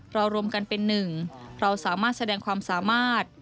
รวมกันเป็นหนึ่งเราสามารถแสดงความสามารถ